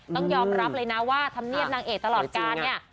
ต้องยอมรับเลยนะว่าธรรมเนียบนางเอกตลอดการเนี่ย